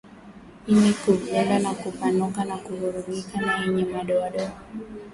Ini kuvimba au kupanuka na kuvurugika na yenye madoadoa